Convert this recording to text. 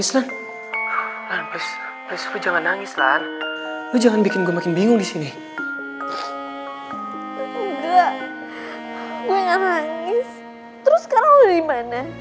kantor polisinya kantor polisi dimana